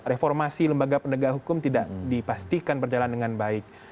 reformasi lembaga penegak hukum tidak dipastikan berjalan dengan baik